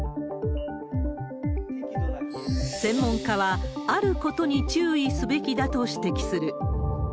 専門家は、あることに注意すべきだと指摘する。